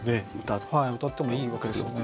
うたってもいいわけですよね。